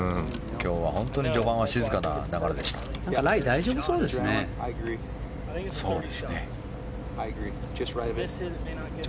今日は本当に序盤は静かな流れでした。